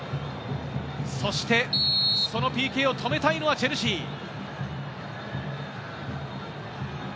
そして、そのＰＫを止めたいのはチェルシー。